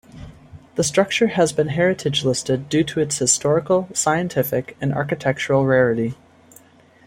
The structure has been heritage listed due to its historical, scientific and architectural rarity.